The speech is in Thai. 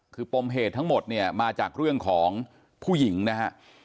คือปมเหตุทั้งหมดเนี่ยมาจากเรื่องของผู้หญิงนะฮะ